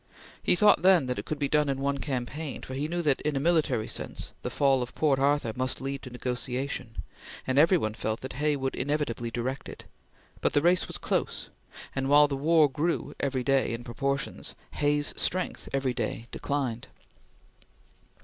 He thought then that it could be done in one campaign, for he knew that, in a military sense, the fall of Port Arthur must lead to negotiation, and every one felt that Hay would inevitably direct it; but the race was close, and while the war grew every day in proportions, Hay's strength every day declined.